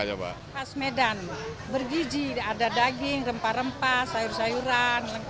khas medan bergiji ada daging rempah rempah sayur sayuran